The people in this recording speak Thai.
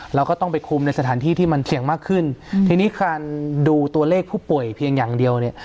เราก็ต้องไปคุมในสถานที่ที่มันเสี่ยงมากขึ้นทีนี้การดูตัวเลขผู้ป่วยเพียงอย่างเดียวเนี่ย